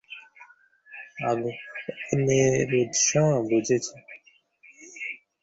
আগুনের উৎস, বুঝেছি।